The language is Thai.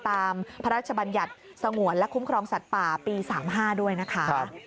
ตามพระราชบัญญัติสงวนและคุ้มครองสัตว์ป่าปี๓๕ด้วยนะคะ